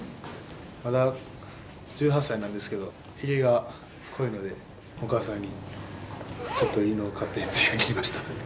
まだ１８歳なんですけど、ひげが濃いので、お母さんに、ちょっといいのを買ってって言いました。